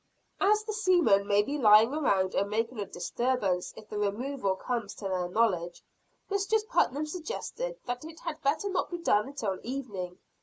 "As the seamen may be lying around and make a disturbance if the removal comes to their knowledge, Mistress Putnam suggested that it had better not be done until evening.